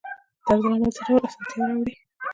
طرزالعمل څه ډول اسانتیا راوړي؟